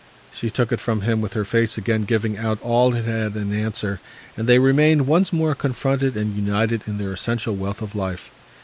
She took it from him with her face again giving out all it had in answer, and they remained once more confronted and united in their essential wealth of life.